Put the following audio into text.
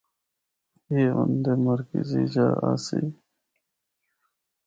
اے اُن دے مرکزی جا آسی۔